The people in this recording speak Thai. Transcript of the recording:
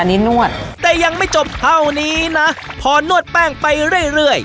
อันนี้นวดแต่ยังไม่จบเท่านี้นะพอนวดแป้งไปเรื่อยเรื่อย